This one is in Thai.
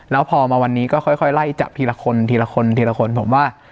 แล้วพอมาวันนี้ก็ค่อยไล่จับทีละคนผมว่า